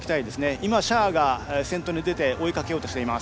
今、シェアが先頭に出て追いかけようとしています。